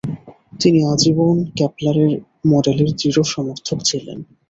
তিনি আজীবন কেপলারের মডেলের দৃঢ় সমর্থক ছিলেন।